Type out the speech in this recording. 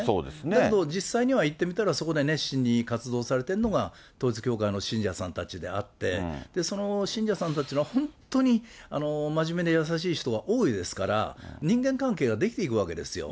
だけど、実際には行ってみたらそこで熱心に活動されているのが、統一教会の信者さんたちであって、その信者さんたちは本当に真面目で優しい人は多いですから、人間関係が出来ていくわけですよ。